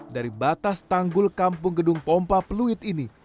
dari batas tanggul kampung gedung pompa fluid ini